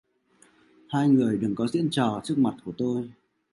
Hai người đừng có diễn trò trước mặt của tôi